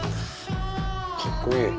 かっこいい。